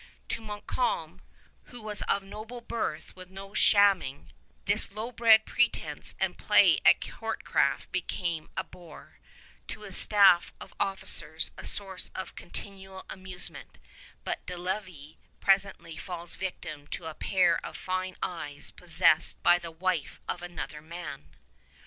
To Montcalm, who was of noble birth with no shamming, this lowbred pretense and play at courtcraft became a bore; to his staff of officers, a source of continual amusement; but De Lévis presently falls victim to a pair of fine eyes possessed by the wife of another man.